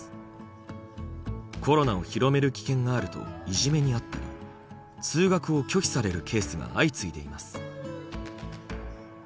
「コロナを広める危険がある」といじめにあったり通学を拒否されるケースが相次いでいます。